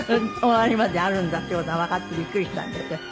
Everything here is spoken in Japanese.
終わりまであるんだっていう事がわかってビックリしたんですけど。